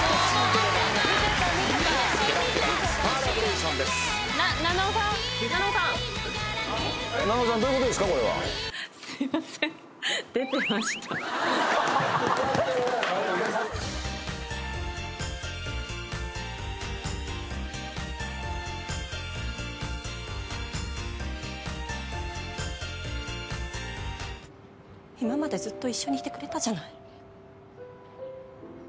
「今までずっと一緒にいてくれたじゃない」